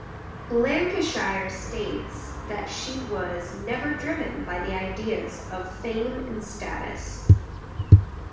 Lancashire states that she was never driven by the ideas of fame and status.